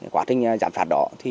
quả trình giám thạt đó